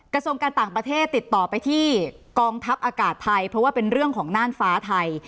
การต่างประเทศติดต่อไปที่กองทัพอากาศไทยเพราะว่าเป็นเรื่องของน่านฟ้าไทย